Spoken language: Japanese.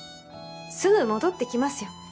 すぐ戻ってきますよ